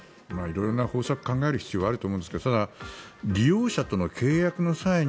色々な方策を考える必要があると思うんですけどただ、利用者との契約の際に